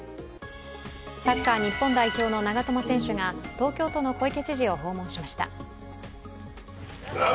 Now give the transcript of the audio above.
サッカー日本代表の長友選手が東京都の小池知事を訪問しました。